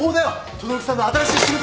轟さんの新しい仕事先。